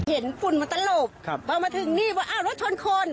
เห็นฝุ่นมัตตะโหลบว่ามาถึงนี่ว่ารถชนคน